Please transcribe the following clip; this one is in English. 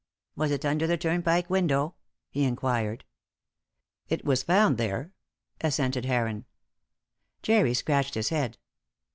Was it under the Turnpike window?" he inquired. "It was found there," assented Heron. Jerry scratched his head.